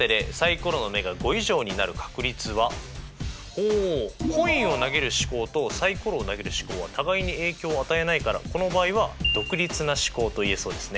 ほうコインを投げる試行とサイコロを投げる試行はたがいに影響を与えないからこの場合は独立な試行と言えそうですね。